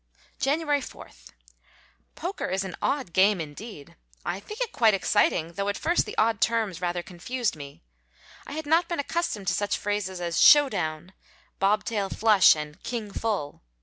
January 4. Poker is an odd game, indeed. I think it quite exciting, though at first the odd terms rather confused me. I had not been accustomed to such phrases as "show down," "bob tail flush," and "King full."